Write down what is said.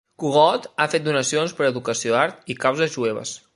Kogod ha fet donacions per a educació, art i causes jueves.